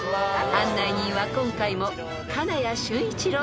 ［案内人は今回も］